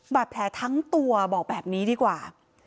บาดแผลทั้งตัวบอกแบบนี้ดีกว่า